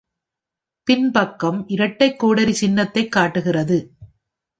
பின் பக்கம் இரட்டைக் கோடரி சின்னத்தைக் காட்டுகிறது.